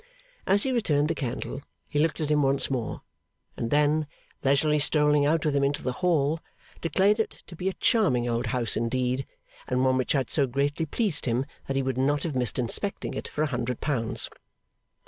As he returned the candle, he looked at him once more; and then, leisurely strolling out with him into the hall, declared it to be a charming old house indeed, and one which had so greatly pleased him that he would not have missed inspecting it for a hundred pounds.